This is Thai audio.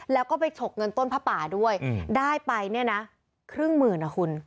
แล้วก็ไปฉกเงินต้นผ้าป่าด้วยได้ไปเนี่ยนะครึ่งหมื่นอ่ะคุณ